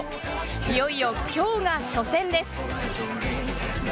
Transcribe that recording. いよいよ、きょうが初戦です。